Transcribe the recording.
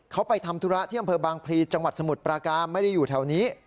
เขาไปทำธุระที่อำเภอบางพลีจังหวัดสมุทรปราการไม่ได้อยู่แถวนี้